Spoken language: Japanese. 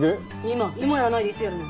今やらないでいつやるの？